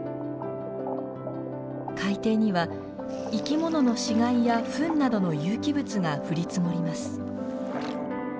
海底には生きものの死骸やフンなどの有機物が降り積もります。